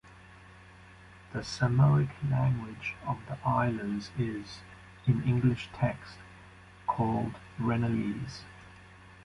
The Samoic language of the islands is, in English texts, called Rennellese.